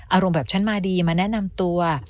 อารมณ์แบบฉันมาดีมาแนะนำตัว